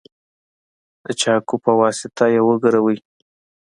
د چاقو په واسطه یې وګروئ.